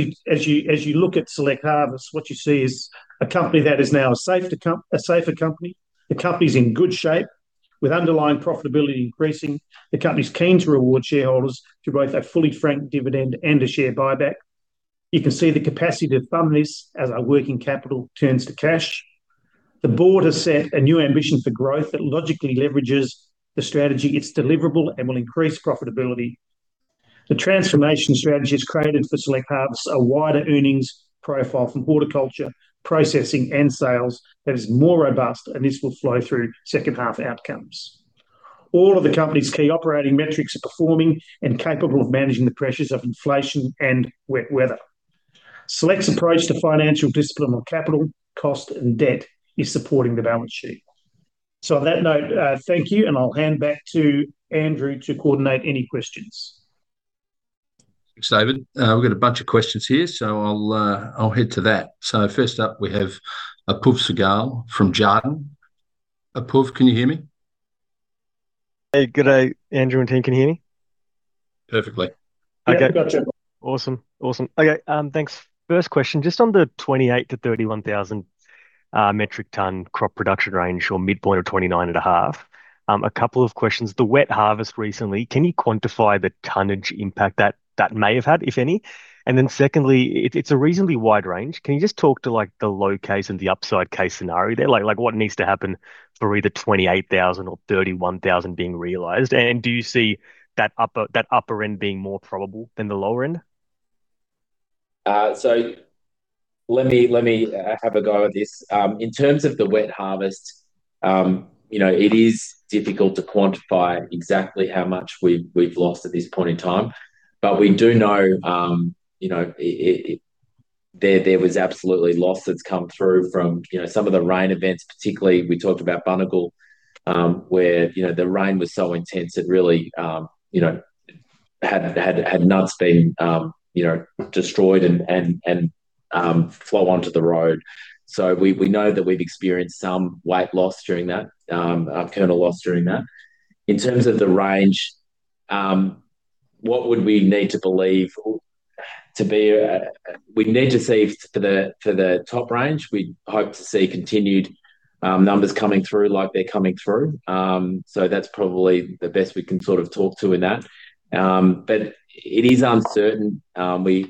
you look at Select Harvests, what you see is a company that is now a safer company. The company's in good shape with underlying profitability increasing. The company's keen to reward shareholders through both a fully franked dividend and a share buyback. You can see the capacity to fund this as our working capital turns to cash. The Board has set a new ambition for growth that logically leverages the strategy, it's deliverable, and will increase profitability. The transformation strategy has created for Select Harvests a wider earnings profile from horticulture, processing, and sales that is more robust, and this will flow through second half outcomes. All of the company's key operating metrics are performing and capable of managing the pressures of inflation and wet weather. Select's approach to financial discipline on capital, cost, and debt is supporting the balance sheet. On that note, thank you, and I'll hand back to Andrew to coordinate any questions. Thanks, David. We've got a bunch of questions here, so I'll head to that. First up, we have Apoorv Sehgal from Jarden. Apoorv, can you hear me? Hey, good day, Andrew and team. Can you hear me? Perfectly. Yep, gotcha. Awesome. Okay, thanks. First question, just on the 28,000-31,000 metric ton crop production range or midpoint of 29.5. A couple of questions. The wet harvest recently, can you quantify the tonnage impact that that may have had, if any? Secondly, it's a reasonably wide range. Can you just talk to the low case and the upside case scenario there? What needs to happen for either 28,000 or 31,000 being realized? Do you see that upper end being more probable than the lower end? Let me have a go at this. In terms of the wet harvest, it is difficult to quantify exactly how much we've lost at this point in time. We do know there was absolutely loss that's come through from some of the rain events, particularly we talked about Bunnaloo. Where the rain was so intense it really had nuts being destroyed and flow onto the road. We know that we've experienced some weight loss during that, kernel loss during that. In terms of the range. We'd need to see for the top range, we'd hope to see continued numbers coming through like they're coming through. That's probably the best we can sort of talk to in that. It is uncertain. We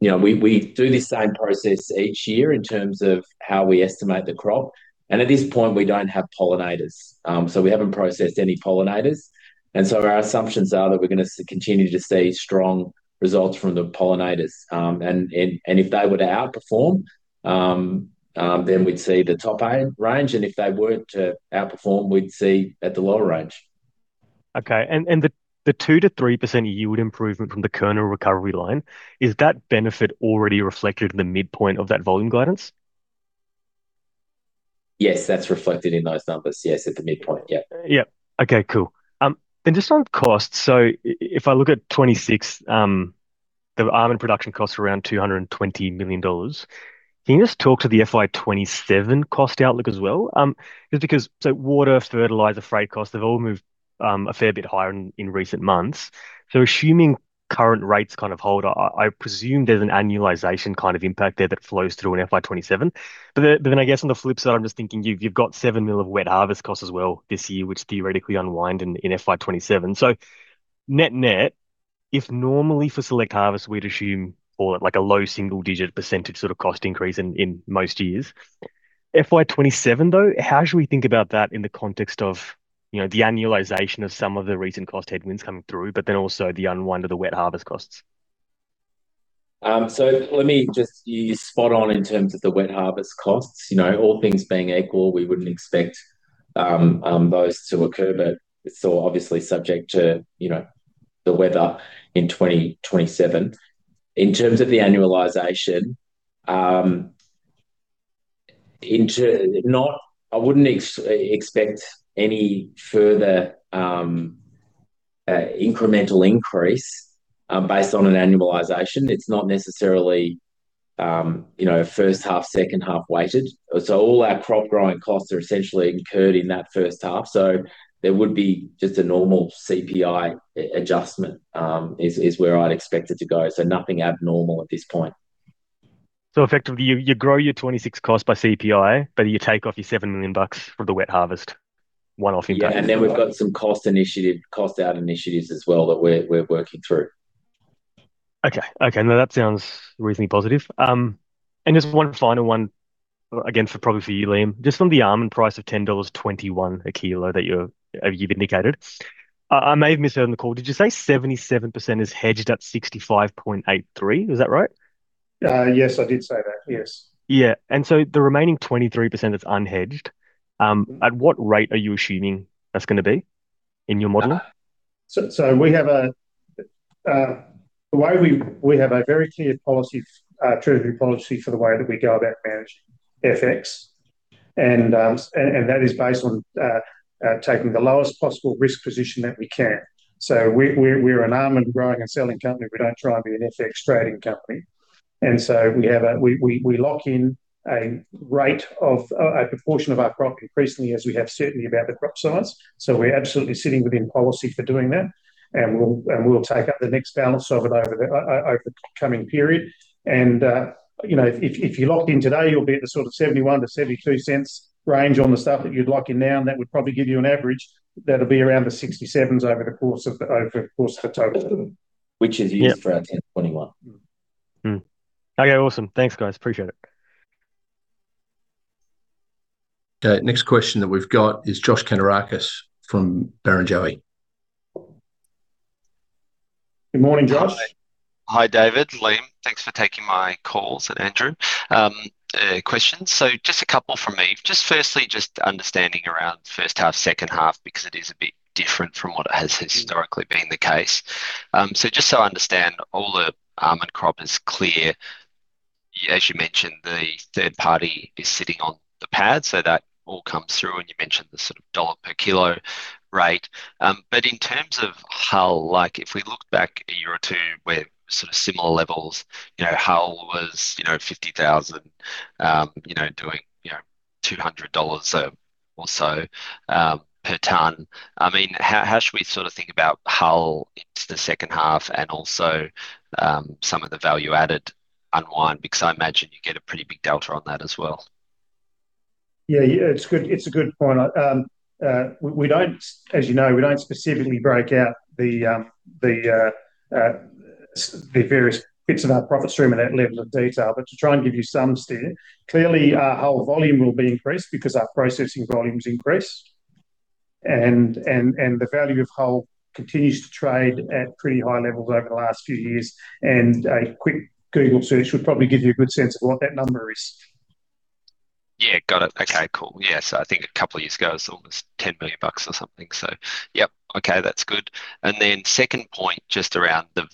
do the same process each year in terms of how we estimate the crop, and at this point, we don't have pollinators. We haven't processed any pollinators. Our assumptions are that we're going to continue to see strong results from the pollinators. If they were to outperform, then we'd see the top end range. If they weren't to outperform, we'd see at the lower range. Okay. The 2%-3% yield improvement from the kernel recovery line, is that benefit already reflected in the midpoint of that volume guidance? Yes, that's reflected in those numbers. Yes, at the midpoint. Yep. Yep. Okay, cool. Just on cost, if I look at FY 2026, the almond production cost around 220 million dollars. Can you just talk to the FY 2027 cost outlook as well? Just because, so water, fertilizer, freight costs, they've all moved a fair bit higher in recent months. Assuming current rates kind of hold, I presume there's an annualization kind of impact there that flows through in FY 2027. Then I guess on the flip side, I'm just thinking you've got 7 million of wet harvest costs as well this year, which theoretically unwind in FY 2027. Net-net, if normally for Select Harvests we'd assume or a low-single digit percentage sort of cost increase in most years. How should we think about that in the context of the annualization of some of the recent cost headwinds coming through, but then also the unwind of the wet harvest costs? Let me just You're spot on in terms of the wet harvest costs. All things being equal, we wouldn't expect those to occur, but it's still obviously subject to the weather in 2027. In terms of the annualization, I wouldn't expect any further incremental increase based on an annualization. It's not necessarily first half, second half weighted. All our crop growing costs are essentially incurred in that first half. There would be just a normal CPI adjustment, is where I'd expect it to go. Nothing abnormal at this point. Effectively, you grow your 2026 cost by CPI, but you take off your 7 million bucks for the wet harvest, one-off impact? Yeah, we've got some cost out initiatives as well that we're working through. Okay. No, that sounds reasonably positive. Just one final one, again, for probably for you, Liam. Just on the almond price of 10.21 dollars a kilo that you've indicated. I may have misheard on the call. Did you say 77% is hedged at 0.6583? Is that right? Yes, I did say that. Yes. Yeah. The remaining 23% that's unhedged, at what rate are you assuming that's going to be in your model? We have a very clear treasury policy for the way that we go about managing FX, and that is based on taking the lowest possible risk position that we can. We're an almond growing and selling company, we don't try and be an FX trading company. We lock in a rate of a proportion of our crop increasingly as we have certainty about the crop size. We're absolutely sitting within policy for doing that, and we'll take up the next balance of it over the coming period. If you locked in today, you'll be at the sort of 0.71-0.72 range on the stuff that you'd lock in now, and that would probably give you an average that'll be around 0.67 over the course of the total. Which is used for our 10.21. Okay, awesome. Thanks, guys. Appreciate it. Okay. Next question that we've got is Josh Kannourakis from Barrenjoey. Good morning, Josh. Hi, David, Liam. Thanks for taking my calls, and Andrew. Questions. Just a couple from me. Just firstly, just understanding around first half, second half, because it is a bit different from what has historically been the case. Just so I understand, all the almond crop is clear. As you mentioned, the third party is sitting on the pad, so that all comes through, and you mentioned the sort of AUD per kilo rate. In terms of hull, if we look back a year or two where sort of similar levels. Hull was 50,000, doing 200 dollars or so per ton. How should we think about hull into the second half and also some of the value-added unwind? I imagine you get a pretty big delta on that as well. Yeah, it's a good point. As you know, we don't specifically break out the various bits of our profit stream at that level of detail. To try and give you some steer, clearly our hull volume will be increased because our processing volume's increased. The value of hull continues to trade at pretty high levels over the last few years. A quick Google search would probably give you a good sense of what that number is. Got it. Okay, cool. I think a couple of years ago, it was almost 10 million bucks or something. Yep. Okay, that's good. Second point, just around the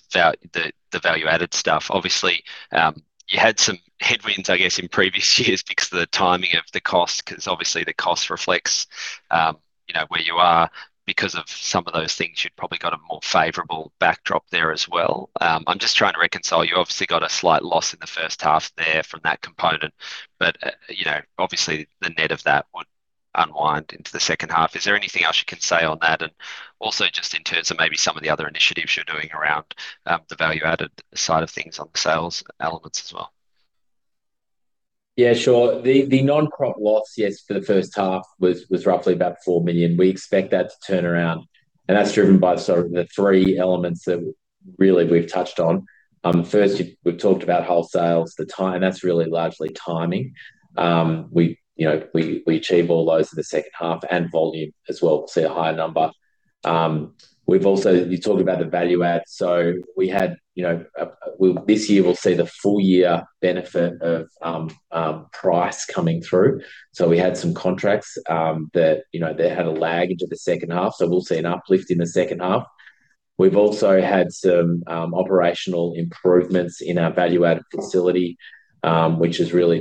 value-added stuff. Obviously, you had some headwinds, I guess, in previous years because of the timing of the cost, because obviously the cost reflects where you are. Because of some of those things, you'd probably got a more favorable backdrop there as well. I'm just trying to reconcile, you obviously got a slight loss in the first half there from that component. Obviously the net of that would unwind into the second half. Is there anything else you can say on that? Also just in terms of maybe some of the other initiatives you're doing around the value-added side of things on the sales elements as well. Yeah, sure. The non-crop loss, yes, for the first half was roughly about 4 million. We expect that to turn around, that's driven by the sort of the three elements that really we've touched on. First, we've talked about wholesale. That's really largely timing. We achieve all those in the second half, and volume as well, we'll see a higher number. You talked about the value add. This year we'll see the full year benefit of price coming through. We had some contracts that had a lag into the second half, so we'll see an uplift in the second half. We've also had some operational improvements in our value-added facility, which is really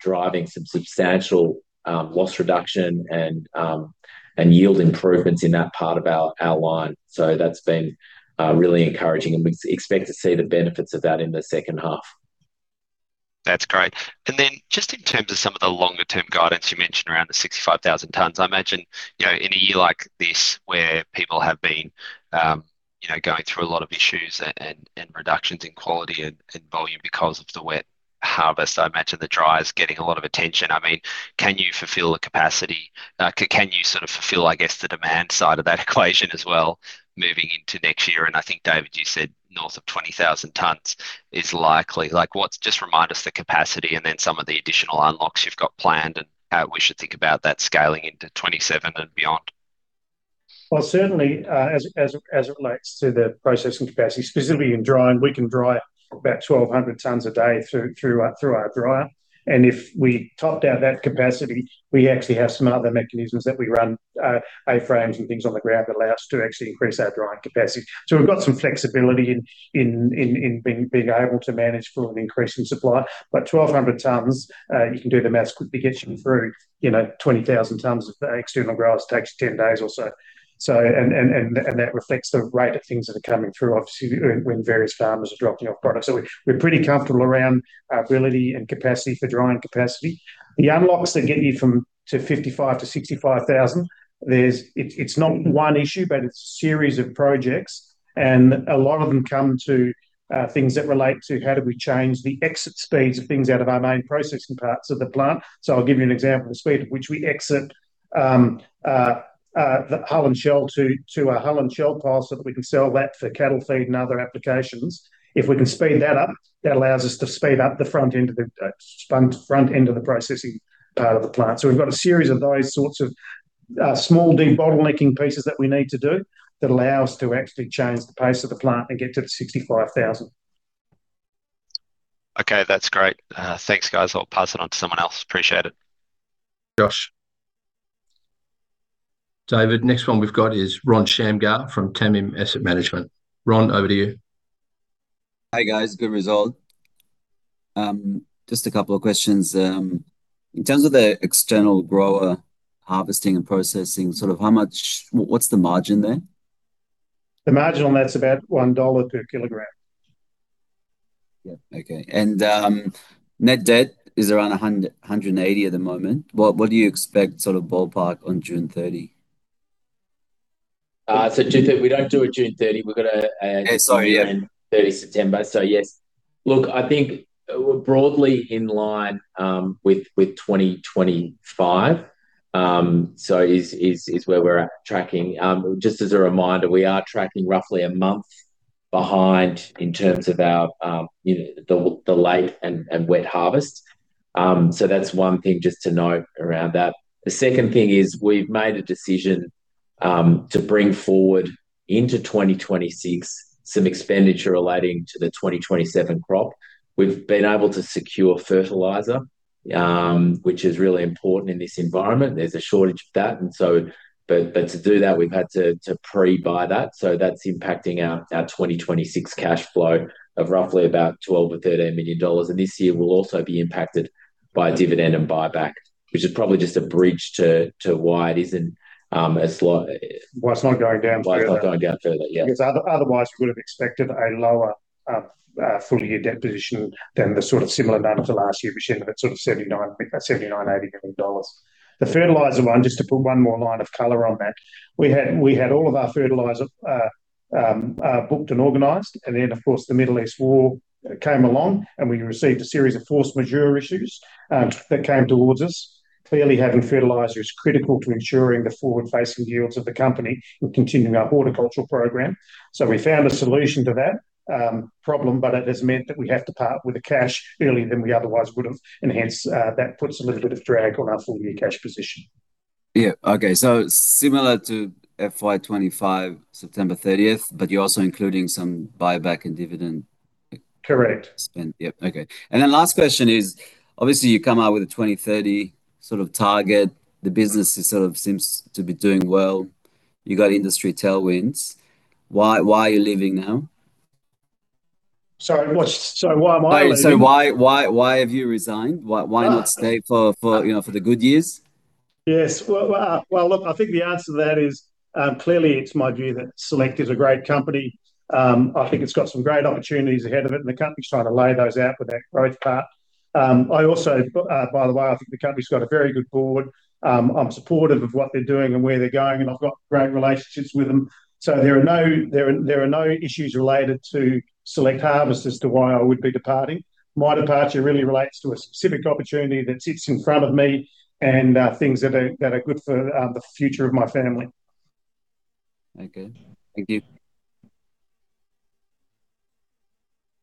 driving some substantial loss reduction and yield improvements in that part of our line. That's been really encouraging, and we expect to see the benefits of that in the second half. That's great. Then just in terms of some of the longer-term guidance, you mentioned around the 65,000 tons. I imagine, in a year like this where people have been going through a lot of issues and reductions in quality and volume because of the wet harvest, I imagine the dryer's getting a lot of attention. Can you fulfill the capacity? Can you sort of fulfill, I guess, the demand side of that equation as well moving into next year? I think, David, you said north of 20,000 tons is likely. Just remind us the capacity and then some of the additional unlocks you've got planned, and how we should think about that scaling into 2027 and beyond. Certainly, as it relates to the processing capacity, specifically in drying, we can dry about 1,200 tons a day through our dryer. If we topped out that capacity, we actually have some other mechanisms that we run, A-frames and things on the ground that allow us to actually increase our drying capacity. We've got some flexibility in being able to manage through an increase in supply. 1,200 tons, you can do the math, could get you through 20,000 tons. If the external growers takes you 10 days or so. That reflects the rate of things that are coming through, obviously, when various farmers are dropping off product. We're pretty comfortable around our ability and capacity for drying capacity. The unlocks that get you from to 55,000 tons-65,000 tons, it's not one issue, but it's a series of projects. A lot of them come to things that relate to how do we change the exit speeds of things out of our main processing parts of the plant. I'll give you an example. The speed at which we exit the hull and shell to a hull and shell pile so that we can sell that for cattle feed and other applications. If we can speed that up, that allows us to speed up the front end of the processing part of the plant. We've got a series of those sorts of small de-bottlenecking pieces that we need to do that allow us to actually change the pace of the plant and get to the 65,000. Okay, that's great. Thanks, guys. I'll pass it on to someone else. Appreciate it. Josh. David, next one we've got is Ron Shamgar from TAMIM Asset Management. Ron, over to you. Hi, guys. Good result. Just a couple of questions. In terms of the external grower harvesting and processing, what's the margin there? The margin on that's about 1 dollar/kg. Yeah, okay. Net debt is around 180 at the moment. What do you expect sort of ballpark on June 30? June 30, we don't do a June 30. Sorry, yeah. 30 September. Yes. I think we're broadly in line with 2025 is where we're at tracking. Just as a reminder, we are tracking roughly a month behind in terms of our late and wet harvest. That's one thing just to note around that. The second thing is we've made a decision to bring forward into 2026 some expenditure relating to the 2027 crop. We've been able to secure fertilizer, which is really important in this environment. There's a shortage of that. To do that we've had to pre-buy that, so that's impacting our 2026 cash flow of roughly about 12 million or 13 million dollars. This year will also be impacted by dividend and buyback, which is probably just a bridge to why it isn't as low. Why it's not going down further? Why it's not going down further, yeah. Otherwise we would've expected a lower full year debt position than the sort of similar number to last year, but showing that sort of 79 million, 80 million dollars. The fertilizer one, just to put one more line of color on that. We had all of our fertilizer booked and organized, and then of course the Middle East war came along, and we received a series of force majeure issues that came towards us. Clearly, having fertilizer is critical to ensuring the forward-facing yields of the company and continuing our horticultural program. We found a solution to that problem, but it has meant that we have to part with the cash earlier than we otherwise would've, and hence, that puts a little bit of drag on our full-year cash position. Yeah. Okay. Similar to FY 2025, September 30th, but you're also including some buyback and dividend? Correct. Spend. Yep. Okay. Last question is, obviously you come out with a 2030 sort of target. The business sort of seems to be doing well. You got industry tailwinds. Why are you leaving now? Sorry, what? Sorry, why am I leaving? Why have you resigned? Why not stay for the good years? Yes. Well, look, I think the answer to that is, clearly it is my view that Select is a great company. I think it has got some great opportunities ahead of it, and the company is trying to lay those out with that growth part. I also, by the way, I think the company has got a very good Board. I am supportive of what they are doing and where they are going, and I have got great relationships with them. There are no issues related to Select Harvests as to why I would be departing. My departure really relates to a specific opportunity that sits in front of me and things that are good for the future of my family. Okay. Thank you.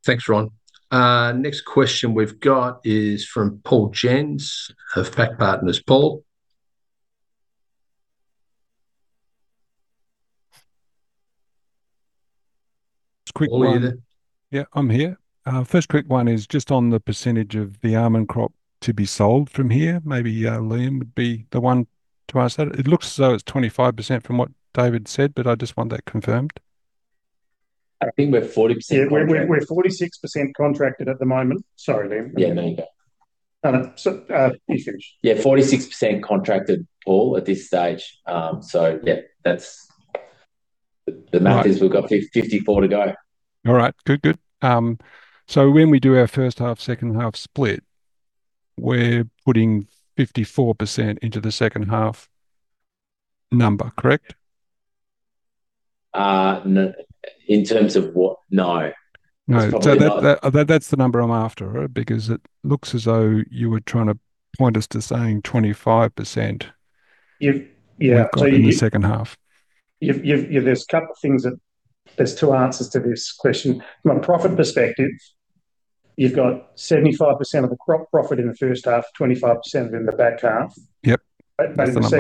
Thanks, Ron. Next question we've got is from Paul Jensz of PAC Partners. Paul? Paul, are you there? Yeah, I'm here. First quick one is just on the percentage of the almond crop to be sold from here. Maybe Liam would be the one to ask that. It looks as though it's 25% from what David said, but I just want that confirmed. I think we're 40% contracted. Yeah, we're 46% contracted at the moment. Sorry, Liam. Yeah, no, you go. No. You finish. Yeah, 46% contracted, Paul, at this stage. All right. So we've got 54% to go. All right. Good. When we do our first half, second half split, we're putting 54% into the second half number, correct? In terms of what? No. No. It's probably not. That's the number I'm after. It looks as though you were trying to point us to saying 25%. Yeah. Got in the second half. There's two answers to this question. From a profit perspective, you've got 75% of the crop profit in the first half, 25% of it in the back half. Yep. That's the number.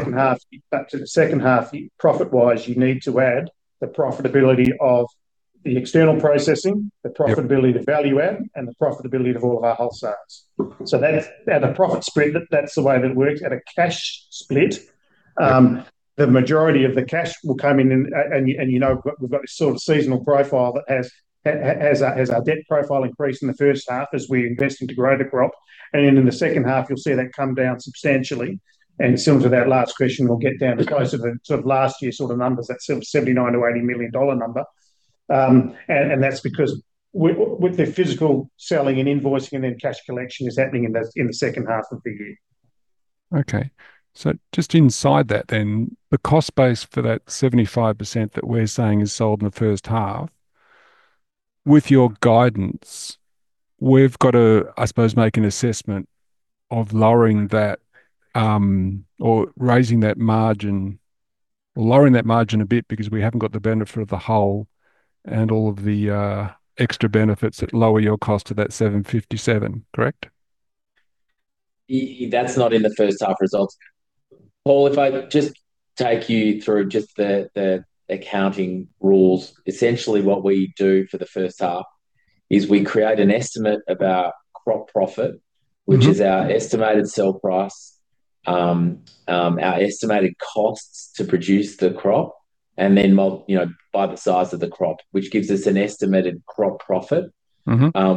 In the second half, profit-wise, you need to add the profitability of the external processing. Yep. The profitability of the value add, and the profitability of all of our wholesale. That's at a profit split, that's the way that it works. At a cash split. Yeah. The majority of the cash will come in, you know we've got this sort of seasonal profile that as our debt profile increase in the first half as we invest in to grow the crop. Then in the second half you'll see that come down substantially. Similar to that last question, we'll get down close to the sort of last year sort of numbers, that sort of AUD 79 million-AUD 80 million number. That's because with the physical selling and invoicing and then cash collection is happening in the second half of the year. Just inside that then, the cost base for that 75% that we're saying is sold in the first half, with your guidance, we've got to, I suppose, make an assessment of lowering that, or raising that margin, or lowering that margin a bit because we haven't got the benefit of the hull and shell and all of the extra benefits that lower your cost to that 757, correct? That's not in the first half results. Paul, if I just take you through just the accounting rules. Essentially what we do for the first half is we create an estimate about crop profit. Which is our estimated sell price. Our estimated costs to produce the crop, and then by the size of the crop, which gives us an estimated crop profit.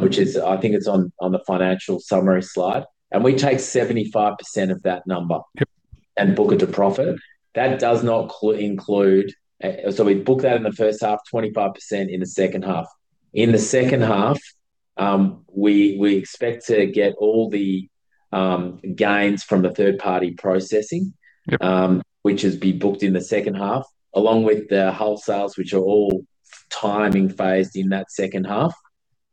Which is, I think it's on the financial summary slide. We take 75% of that number. Yep. And book it to profit. We book that in the first half, 25% in the second half. In the second half, we expect to get all the gains from the third party processing. Yep. Which has been booked in the second half, along with the wholesale, which are all timing phased in that second half.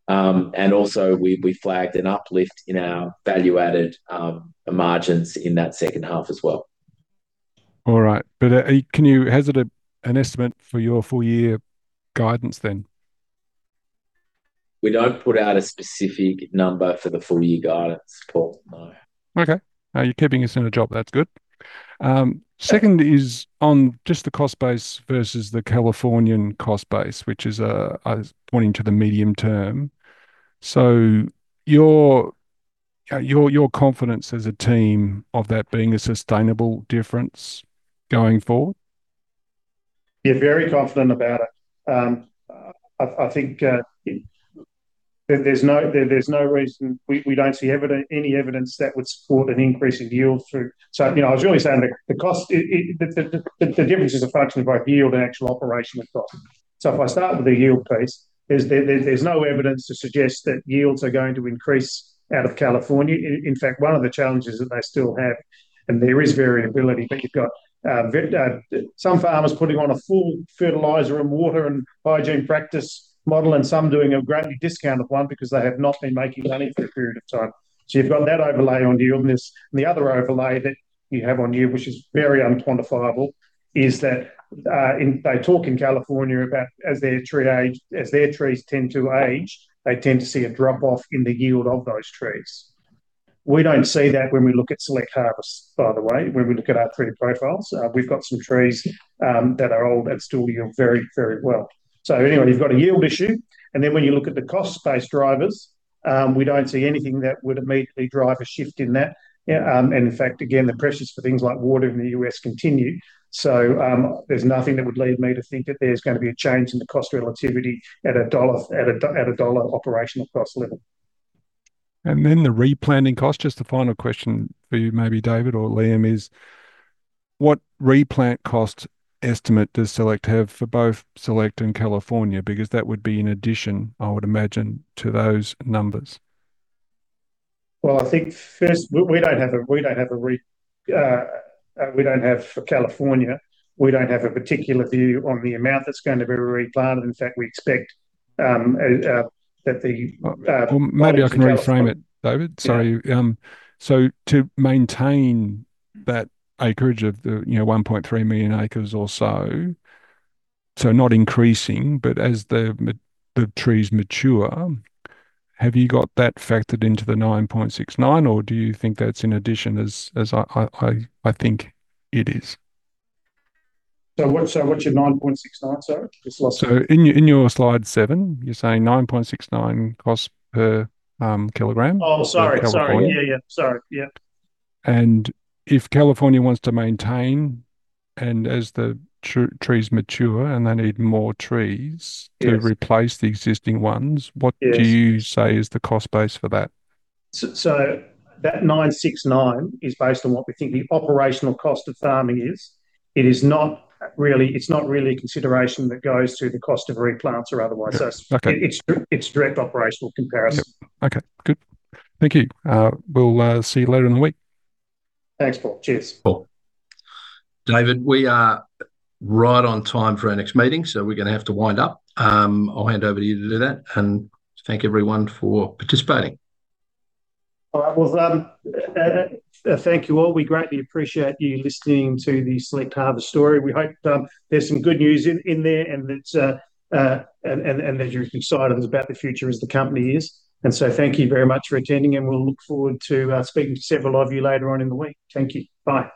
Also, we flagged an uplift in our value-added margins in that second half as well. All right. Can you hazard an estimate for your full year guidance then? We don't put out a specific number for the full year guidance, Paul, no. Okay. You're keeping us in a job. That's good. Second is on just the cost base versus the California cost base, which is pointing to the medium term. Your confidence as a team of that being a sustainable difference going forward? Yeah, very confident about it. We don't see any evidence that would support an increase in yield through. I was really saying the cost, the difference is a function of both yield and actual operational cost. If I start with the yield piece, there's no evidence to suggest that yields are going to increase out of California. In fact, one of the challenges that they still have, and there is variability, but you've got some farmers putting on a full fertilizer and water and hygiene practice model and some doing a greatly discounted one because they have not been making money for a period of time. You've got that overlay on the yieldness, and the other overlay that you have on yield, which is very unquantifiable, is that, they talk in California about as their trees tend to age, they tend to see a drop-off in the yield of those trees. We don't see that when we look at Select Harvests, by the way, when we look at our tree profiles. We've got some trees that are old that still yield very well. Anyway, you've got a yield issue, and then when you look at the cost-based drivers, we don't see anything that would immediately drive a shift in that. In fact, again, the pressures for things like water in the U.S. continue. There's nothing that would lead me to think that there's going to be a change in the cost relativity at a dollar operational cost level. The replanting cost. Just a final question for you, maybe David or Liam, is what replant cost estimate does Select have for both Select and California? Because that would be in addition, I would imagine, to those numbers. Well, I think first, for California, we don't have a particular view on the amount that's going to be replanted. In fact, we expect that. Maybe I can reframe it, David. Sorry. To maintain that acreage of the 1.3 million acres or so not increasing, but as the trees mature, have you got that factored into the 9.69, or do you think that's in addition as I think it is? What's your 9.69, sorry? Just lost. In your slide seven, you say 9.69 cost per kilogram. Oh, sorry. For California. Sorry. Yeah. if California wants to maintain, and as the trees mature and they need more trees. Yes. To replace the existing ones. Yes. What do you say is the cost base for that? That 9.69 is based on what we think the operational cost of farming is. It's not really a consideration that goes to the cost of replants or otherwise. Okay. It's direct operational comparison. Okay. Good. Thank you. We'll see you later in the week. Thanks, Paul. Cheers. Cool. David, we are right on time for our next meeting, so we're going to have to wind up. I'll hand over to you to do that, and thank everyone for participating. All right. Well, thank you all. We greatly appreciate you listening to the Select Harvests story. We hope there's some good news in there and that you're as excited about the future as the company is. Thank you very much for attending, and we'll look forward to speaking to several of you later on in the week. Thank you. Bye